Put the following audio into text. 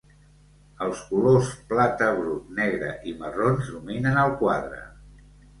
Els colors plata brut, negre i marrons dominen el quadre.